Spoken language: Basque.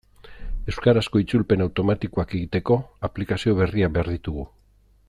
Euskarazko itzulpen automatikoak egiteko aplikazio berriak behar ditugu.